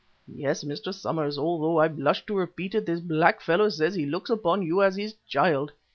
Yes, Mr. Somers, although I blush to repeat it, this black fellow says he looks upon you as his child.